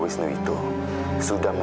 dan dihukum selama